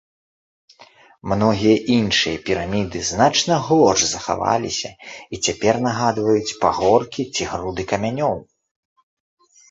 Многія іншыя піраміды значна горш захаваліся і цяпер нагадваюць пагоркі ці груды камянёў.